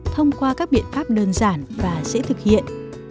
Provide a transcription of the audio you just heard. thông qua các biện pháp đơn giản và dễ thực hiện